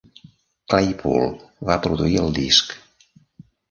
Claypool va produir el disc.